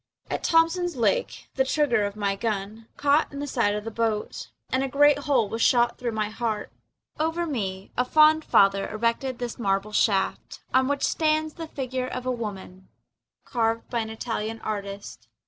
At Thompson's Lake the trigger of my gun Caught in the side of the boat And a great hole was shot through my heart. Over me a fond father erected this marble shaft, On which stands the figure of a woman Carved by an Italian artist.